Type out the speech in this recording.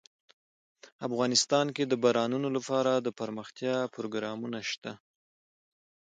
افغانستان کې د بارانونو لپاره دپرمختیا پروګرامونه شته.